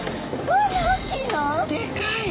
でかい！